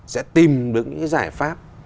sẽ tìm được những giải pháp